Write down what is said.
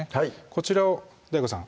こちらをＤＡＩＧＯさん